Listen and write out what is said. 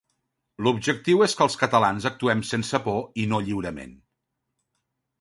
L'objectiu és que els catalans actuem sense por i no lliurement.